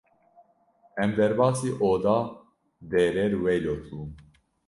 Em derbasî oda Dr. Rweylot bûn.